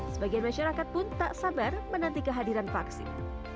sebagian masyarakat pun tak sabar menanti kehadiran vaksin